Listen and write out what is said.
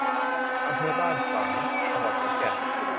อำเภอบ้านฝาง จังหวัดขอนแก่น